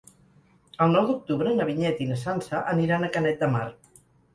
El nou d'octubre na Vinyet i na Sança aniran a Canet de Mar.